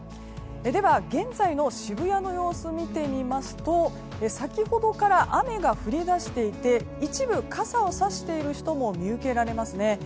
現在の渋谷の様子を見てみますと先ほどから雨が降り出していて一部傘をさしている人も見受けられますね。